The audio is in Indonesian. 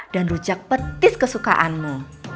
dan rujak petis kesukaanmu